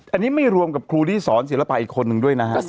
อันนี้ไม่รวมกับครูที่สอนศิลปะอีกคนนึงด้วยนะฮะ